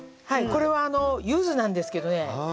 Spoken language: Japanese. これはユズなんですけどね。